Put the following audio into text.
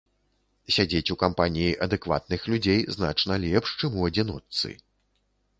Сядзець у кампаніі адэкватных людзей значна лепш, чым у адзіночцы.